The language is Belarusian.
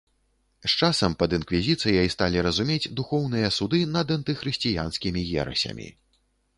З часам пад інквізіцыяй сталі разумець духоўныя суды над антыхрысціянскімі ерасямі.